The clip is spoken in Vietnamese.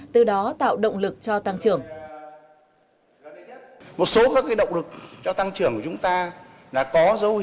từ đó tạo động lực cho tăng trưởng